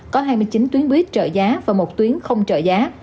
có hai mươi chín tuyến buýt trợ giá và một tuyến không trợ giá